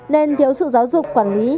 nên thiếu sự giáo dục quản lý